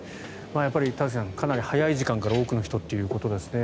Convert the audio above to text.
やっぱり、田崎さんかなり早い時間から多くの人がということですね。